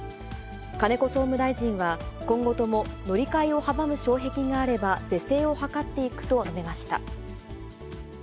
金子総務大臣は、今後とも、乗り換えを阻む障壁があれば、是正を図っていくと述べました。